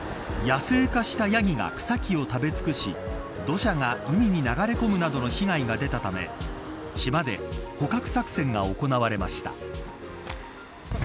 野生化したヤギが草木を食べ尽くし土砂が海に流れ込むなどの被害が出たため島で捕獲作戦が行われました。